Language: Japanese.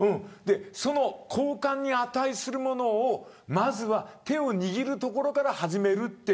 交換に値するものを、まずは手を握るところから始める。